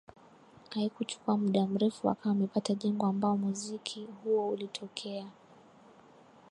Haikuchukua muda mrefu akawa amepata jengo ambao muziki huo ulitokea